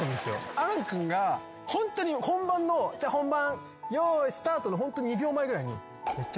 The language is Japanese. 亜嵐君がホントに本番の本番よーいスタートのホント２秒前ぐらいに。